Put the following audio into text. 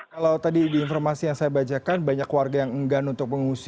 kalau tadi di informasi yang saya bacakan banyak warga yang enggan untuk mengungsi